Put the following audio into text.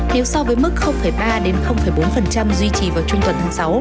nếu so với mức ba bốn duy trì vào trung tuần tháng sáu